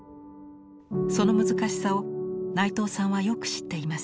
その難しさを内藤さんはよく知っています。